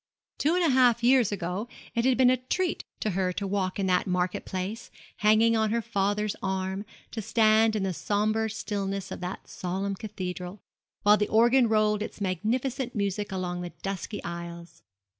Two years and a half ago it had been a treat to her to walk in that market place, hanging on her father's arm, to stand in the sombre stillness of that solemn cathedral, while the organ rolled its magnificent music along the dusky aisles.